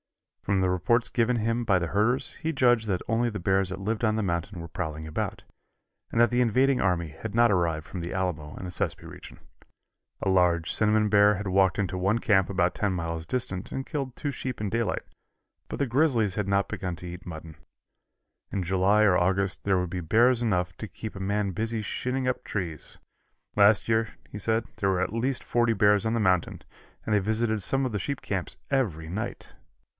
From the reports given him by the herders he judged that only the bears that lived on the mountain were prowling about, and that the invading army had not arrived from the Alamo and the Sespe region. A large cinnamon bear had walked into one camp about ten miles distant and killed two sheep in daylight, but the grizzlies had not begun to eat mutton. In July or August there would be bears enough to keep a man busy shinning up trees. Last year, he said, there were at least forty bears on the mountain, and they visited some of the sheep camps every night.